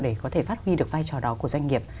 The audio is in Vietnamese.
để có thể phát huy được vai trò đó của doanh nghiệp